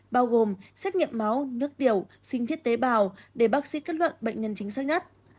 bao gồm xét nghiệm máu nước tiểu sinh thiết tế bào để bác sĩ kết luận bệnh nhân chính xác nhất